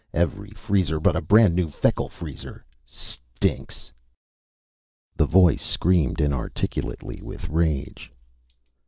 Every freezer but a brand new Feckle Freezer stinks!" The voice screamed inarticulately with rage.